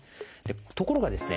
ところがですね